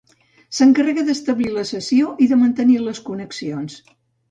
S'encarrega d'establir la sessió i de mantenir les connexions.